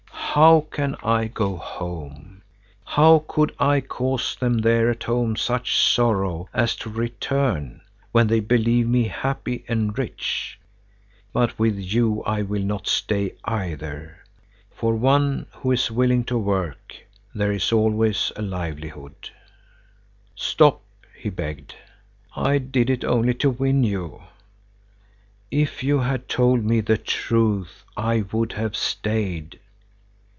"How can I go home? How could I cause them there at home such sorrow as to return, when they believe me happy and rich? But with you I will not stay either. For one who is willing to work there is always a livelihood." "Stop!" he begged. "I did it only to win you." "If you had told me the truth, I would have stayed."